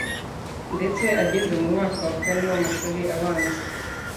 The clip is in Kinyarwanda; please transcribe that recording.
ndetse ageze mu mwaka wa kane w'amashuri abanza